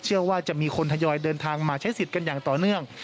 เชื่อว่าจะมีคนทยอยเดินทางมาใช้สิทธิ์กันอย่างต่อเนื่อง